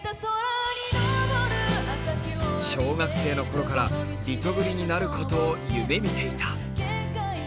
小学生の頃からリトグリになることを夢見ていた。